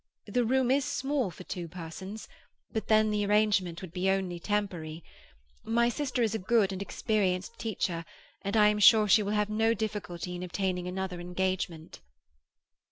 The room is small for two persons, but then the arrangement would only be temporary. My sister is a good and experienced teacher, and I am sure she will have no difficulty in obtaining another engagement."